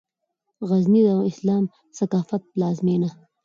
غزني د اسلامي ثقافت پلازمېنه